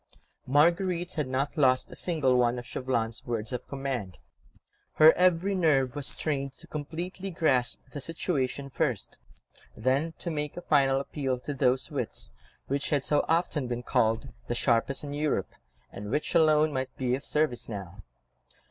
Marguerite had not lost a single one of Chauvelin's words of command. Her every nerve was strained to completely grasp the situation first, then to make a final appeal to those wits which had so often been called the sharpest in Europe, and which alone might be of service now.